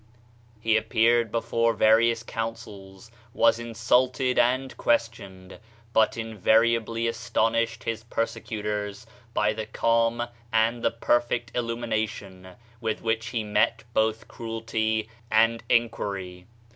He appeared before various councils, was 31 THE SHINING PATHWAY insulted and questioned, but invariably aston ished his persecutors by the calm, and the per fect illumination, with which he met both cruelty and inquiry.